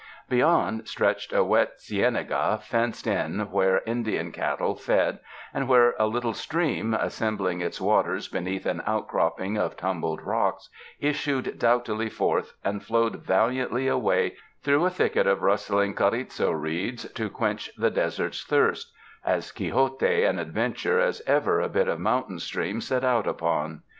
Beyond stretched a wet cienaga fenced in, where Indian cattle fed and whore a little stream, assembling its waters beneath an outcropping of tumbled rocks, issued doughtily forth and flowed valiantly away through a thicket of rustling carrizo reeds, to quench the desert's thirst^ — as quixotic an adventure as ever a bit of mountain stream set out upon.